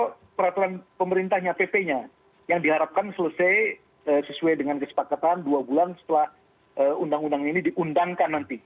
jadi ini adalah peraturan pemerintahnya pp nya yang diharapkan selesai sesuai dengan kesepakatan dua bulan setelah undang undang ini diundangkan nanti